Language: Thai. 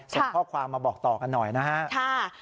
ส่งข้อความมาบอกต่อกันหน่อยนะครับ